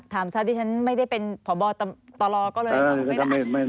ถามซะที่ฉันไม่ได้เป็นผ่อบอตตลอก็เลยตอบไว้นะ